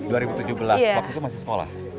dua ribu tujuh belas waktu itu masih sekolah